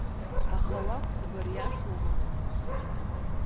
Аха уақәӡбар иашоума?